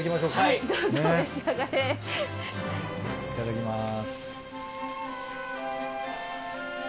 いただきます。